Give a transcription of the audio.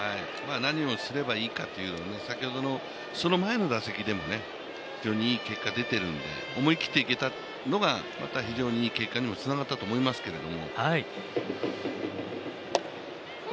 何をすればいいかというのは先ほどのその前の打席でも非常にいい結果出てるので思い切っていけたのが、非常にいい結果につながったと思いますけど。